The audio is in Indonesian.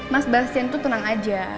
mas bastian itu tenang aja